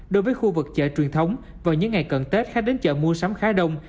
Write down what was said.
đối với khu vực chợ truyền thống vào những ngày cận tết khách đến chợ mua sắm khá đông